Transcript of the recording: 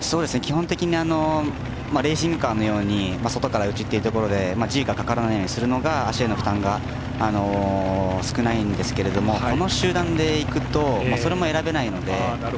基本的にレーシングカーのように外から内ということでＧがかからないようにするのが足への負担が少ないんですけどもこの集団でいくとそれも選べないので。